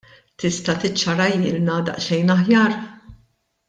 Tista' tiċċarahielna daqsxejn aħjar?